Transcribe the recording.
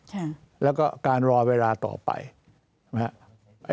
ใช่แล้วก็การรอเวลาต่อไปใช่ไหม